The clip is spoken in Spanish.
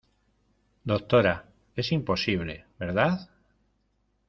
doctora, es imposible ,¿ verdad?